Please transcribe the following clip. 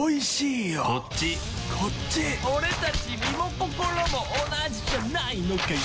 俺たち身も心も同じじゃないのかよ！